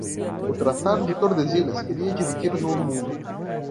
O tratado de Tordesilhas queria dividir o novo mundo.